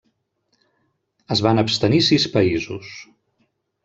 Es van abstenir sis països: